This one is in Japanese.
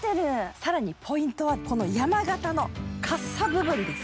更にポイントはこの山形のカッサんです。